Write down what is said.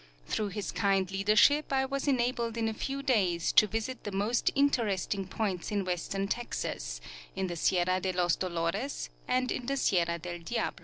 Through his kind leadership I was enabled in a few days to visit the most interesting points in western Texas, in the Sierra de los Dolores, and in the Sierra del Diablo.